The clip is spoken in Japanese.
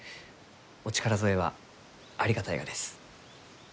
お力添えはありがたいがです。